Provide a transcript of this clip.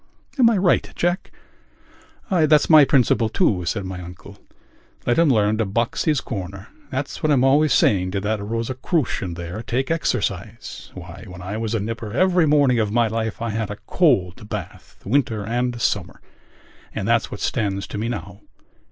Am I right, Jack?" "That's my principle, too," said my uncle. "Let him learn to box his corner. That's what I'm always saying to that Rosicrucian there: take exercise. Why, when I was a nipper every morning of my life I had a cold bath, winter and summer. And that's what stands to me now.